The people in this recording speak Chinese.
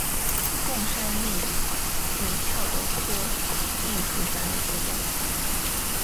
贡山栎为壳斗科栎属下的一个种。